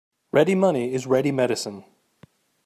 Ready money is ready medicine.